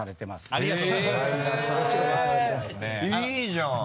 いいじゃん。